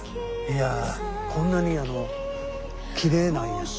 いやあこんなにきれいなんや。